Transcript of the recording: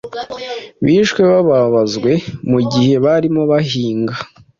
bishwe babazwe mu gihe barimo bahinga".